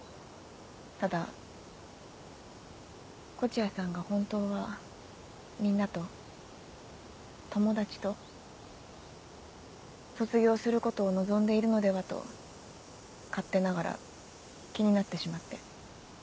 ただ東風谷さんが本当はみんなと友達と卒業することを望んでいるのではと勝手ながら気になってしまって。